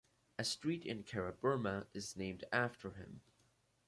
A street in Karaburma is named after him.